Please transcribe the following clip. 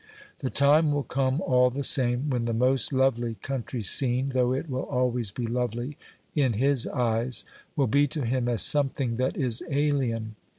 The time will come all the same when the most lovely country scene — though it will always be lovely in his eyes — will be to him as something that is alien.